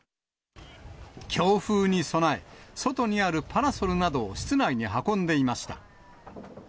強風に備え、外にあるパラソルなどを室内に運んでいました。